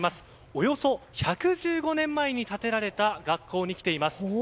およそ１１５年前に建てられた学校に来ています。